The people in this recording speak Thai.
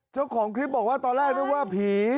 เจ้าของคลิปบอกว่าตอนแรกนึกว่าผี